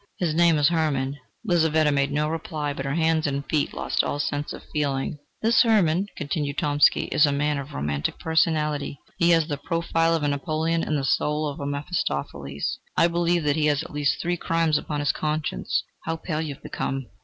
"His name is Hermann." Lizaveta made no reply; but her hands and feet lost all sense of feeling. "This Hermann," continued Tomsky, "is a man of romantic personality. He has the profile of a Napoleon, and the soul of a Mephistopheles. I believe that he has at least three crimes upon his conscience... How pale you have become!"